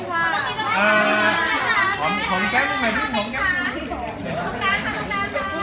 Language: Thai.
ขอบคุณแม่ก่อนต้องกลางนะครับ